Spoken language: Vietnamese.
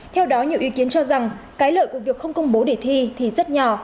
theo đó nhiều ý kiến cho rằng cái lợi của việc không công bố để thi thì rất nhỏ